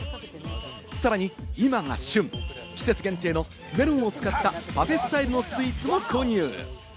さらに今が旬、季節限定のメロンを使ったパフェスタイルのスイーツも購入。